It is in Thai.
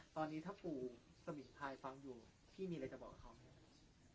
ตอนนี้ถ้าปู่สมิงพายฟังอยู่พี่มีอะไรจะบอกเขาไหมครับ